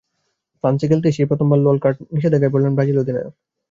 ফ্রান্সে খেলতে এসে এই প্রথমবার লাল কার্ড নিষেধাজ্ঞায় পড়লেন ব্রাজিল অধিনায়ক।